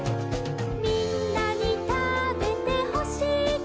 「みんなにたべてほしいから」